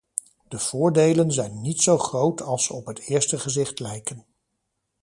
De voordelen zijn niet zo groot als ze op het eerste gezicht lijken.